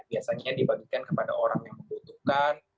biasanya dibagikan kepada orang yang membutuhkan